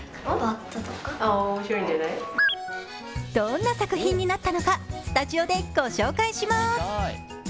どんな作品になったのかスタジオでご紹介します。